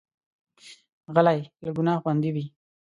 غلی، له ګناه خوندي وي.